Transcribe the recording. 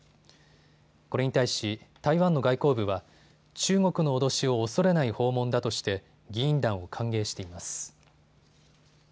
これに対し台湾の外交部は中国の脅しを恐れない訪問だとして議員団を歓迎しています。